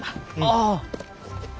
ああ！